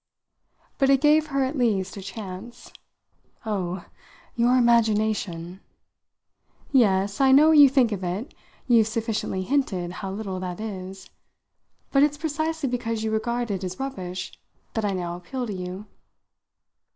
But it gave her at least a chance. "Oh, your imagination!" "Yes I know what you think of it; you've sufficiently hinted how little that is. But it's precisely because you regard it as rubbish that I now appeal to you."